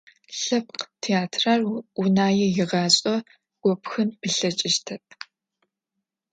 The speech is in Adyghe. Лъэпкъ театрэр Унае игъашӀэ гопхын плъэкӀыщтэп.